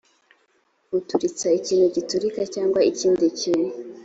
uturitsa ikintu giturika cyangwa ikindi kintu